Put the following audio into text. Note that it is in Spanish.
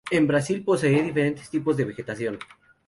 El Brasil posee diferentes tipos de vegetación.